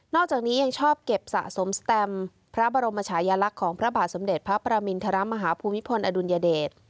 อกจากนี้ยังชอบเก็บสะสมสแตมพระบรมชายลักษณ์ของพระบาทสมเด็จพระประมินทรมาฮภูมิพลอดุลยเดช